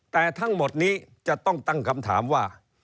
แต่ทั้งหมดนี้จะต้องตั้งคำถามว่า